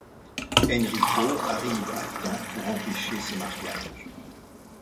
Enrico arrive à temps pour empêcher ce mariage.